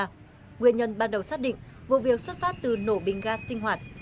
nguyên nhân ban đầu xác định vụ việc xuất phát từ nổ bình ga sinh hoạt